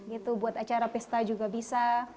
gitu buat acara pesta juga bisa